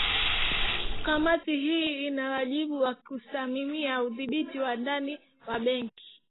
kamati hii ina wajibu wa kusimamia udhibiti wa ndani wa benki